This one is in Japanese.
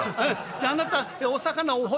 で『あなたお魚お骨』。